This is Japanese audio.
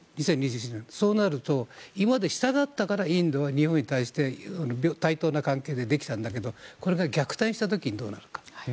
そうなると、今まで下だったからインドは日本に対して対等な関係でできたんだけどこれが逆転した時にどうなるかと。